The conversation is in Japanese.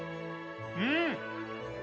うん。